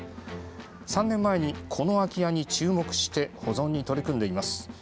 ３年前に、この空き家に注目して保存に取り組んでいます。